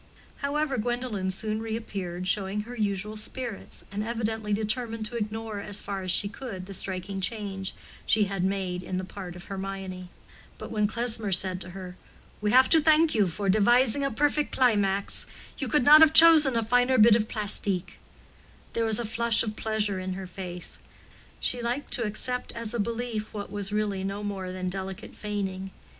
However, Gwendolen soon reappeared, showing her usual spirits, and evidently determined to ignore as far as she could the striking change she had made in the part of Hermione. But when Klesmer said to her, "We have to thank you for devising a perfect climax: you could not have chosen a finer bit of plastik," there was a flush of pleasure in her face. She liked to accept as a belief what was really no more than delicate feigning.